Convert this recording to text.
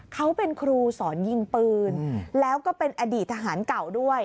เขาเป็นครูสอนยิงปืนแล้วก็เป็นอดีตทหารเก่าด้วย